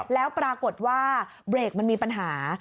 แล้วปรากฏว่าเบรกมันมีปัญหา